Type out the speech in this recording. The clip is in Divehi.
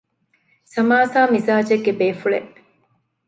ސަމާސާ މިޒާޖެއްގެ ބޭފުޅެއް